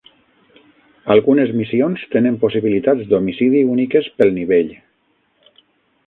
Algunes missions tenen possibilitats d"homicidi úniques pel nivell.